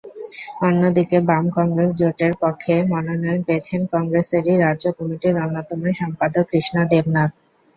অন্যদিকে বাম-কংগ্রেস জোটের পক্ষে মনোনয়ন পেয়েছেন কংগ্রেসেরই রাজ্য কমিটির অন্যতম সম্পাদক কৃষ্ণা দেবনাথ।